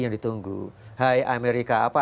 yang ditunggu hai amerika apa